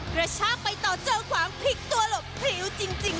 กระชากไปต่อเจ้าขวางพลิกตัวหลบผิวจริงเลยค่ะ